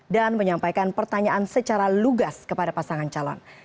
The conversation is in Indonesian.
dan menyampaikan pertanyaan secara lugas kepada pasangan calon